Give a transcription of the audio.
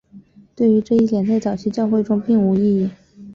对于这一点在早期教会中并无异议。